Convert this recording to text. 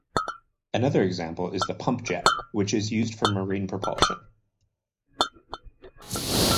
Another example is the pump-jet, which is used for marine propulsion.